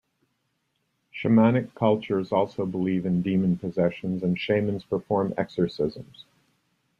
Shamanic cultures also believe in demon possession and shamans perform exorcisms.